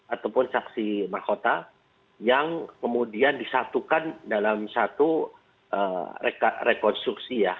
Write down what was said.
ataupun saksi mahkota yang kemudian disatukan dalam satu rekonstruksi ya